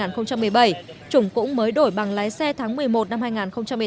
trùng cũng mới đổi bằng lái xe tháng một mươi một năm hai nghìn một mươi tám